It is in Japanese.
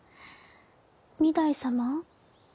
御台様？